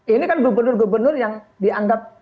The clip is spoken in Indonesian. ini kan gubernur gubernur yang dianggap